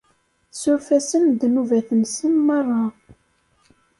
Suref-asen ddnubat-nsen merra!